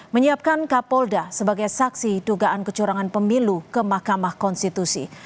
menyiapkan kapolda sebagai saksi dugaan kecurangan pemilu ke mahkamah konstitusi